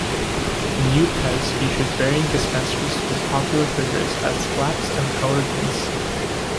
The new Pez featured varying dispensers with popular figures as "flaps" and colored mints.